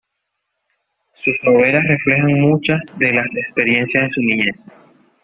Sus novelas reflejan muchas de las experiencias de su niñez.